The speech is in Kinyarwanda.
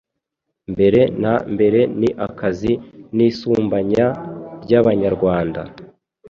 mbere na mbere ni akazi n'isumbanya ry'Abanyarwanda